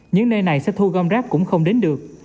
những nơi này sẽ thu gom rác cũng không đến được